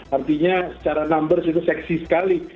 artinya secara numbers itu seksi sekali